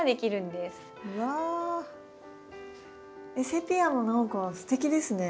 セピアも何かすてきですね。